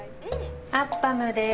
アッパムです。